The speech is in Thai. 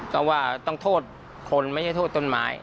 ก็ว่าต้องโทษคนไม่ใช่โทษต้นไม้